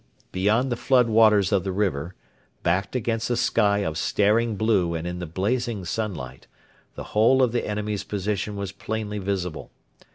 Beyond the flood waters of the river, backed against a sky of staring blue and in the blazing sunlight, the whole of the enemy's position was plainly visible.